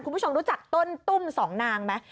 คุณผู้ชมรู้จักต้นตุ้มสองนางไหม